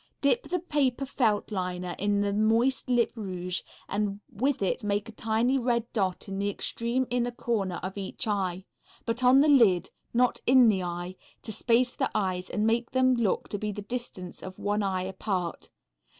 Dip the paper felt liner in the moist lip rouge and with it make a tiny red dot in the extreme inner corner of each eye, but on the lid not in the eye to space the eyes and make them look to be the distance of one eye apart.